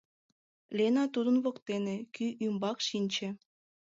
Лена тудын воктен, кӱ ӱмбак шинче.